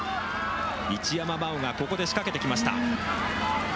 一山麻緒がここで仕掛けてきました。